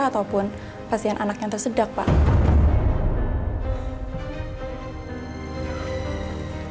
ataupun pasien anak yang tersedak pak